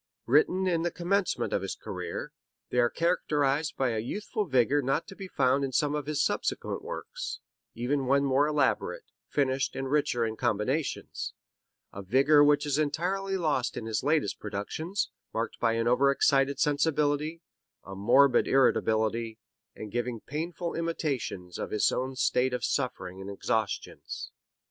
Written in the commencement of his career, they are characterized by a youthful vigor not to be found in some of his subsequent works, even when more elaborate, finished and richer in combinations; a vigor which is entirely lost in his latest productions, marked by an overexcited sensibility, a morbid irritability, and giving painful intimations of his own state of suffering and exhaustion."